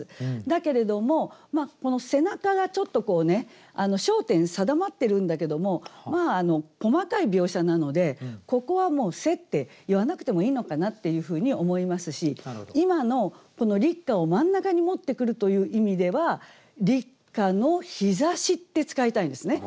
だけれどもこの「背中」がちょっと焦点定まってるんだけども細かい描写なのでここは「背」って言わなくてもいいのかなっていうふうに思いますし今の「立夏」を真ん中に持ってくるという意味では「立夏の日差し」って使いたいんですね。